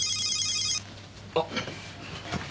あっ！